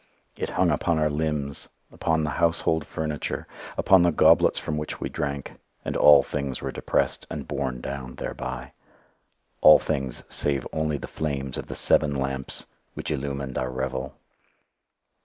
It hung upon our limbs upon the household furniture upon the goblets from which we drank; and all things were depressed, and borne down thereby all things save only the flames of the seven iron lamps which illumined our revel.